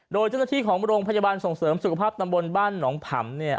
โดยเจ้าหน้าที่ของโรงพยาบาลส่งเสริมสุขภาพตำบลบ้านหนองผำ